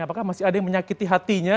apakah masih ada yang menyakiti hatinya